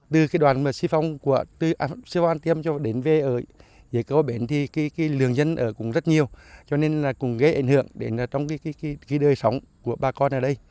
từ đoàn si phong của si phong an tiêm cho đến về ở dưới cơ bến thì lương dân ở cũng rất nhiều cho nên là cũng gây ảnh hưởng đến trong cái đời sống của ba con ở đây